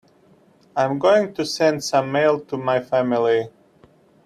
I am going to send some mail to my family.